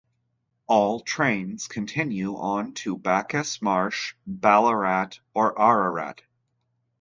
All trains continue on to Bacchus Marsh, Ballarat or Ararat.